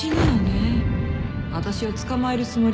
私を捕まえるつもり？